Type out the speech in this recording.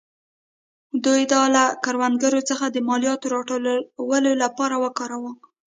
دوی دا له کروندګرو څخه د مالیاتو راټولولو لپاره وکاراوه.